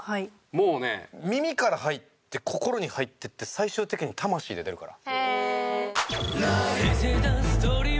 もうね耳から入って心に入っていって最終的に魂で出るから。